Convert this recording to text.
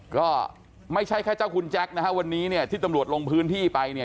ก็ไม่ใช่แค่เจ้าคุณแจ็คนะฮะวันนี้ที่ตำรวจลงพื้นที่ไป